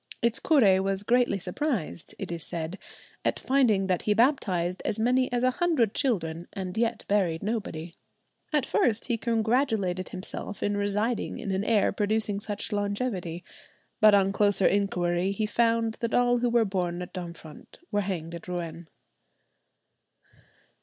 Its curé was greatly surprised, it is said, at finding that he baptized as many as a hundred children and yet buried nobody. At first he congratulated himself in residing in an air producing such longevity; but on closer inquiry he found that all who were born at Domfront were hanged at Rouen.